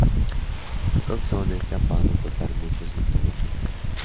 Coxon es capaz de tocar muchos instrumentos.